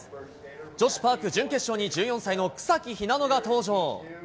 女子パーク準決勝に、１４歳の草木ひなのが登場。